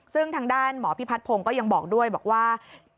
ซึ่งทางด้านหมอพิพัฒนพงศ์ก็ยังบอกด้วยบอกว่า